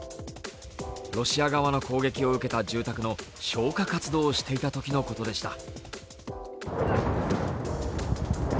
ロシア側の攻撃を受けた住宅の消火活動をしていたときのことでした。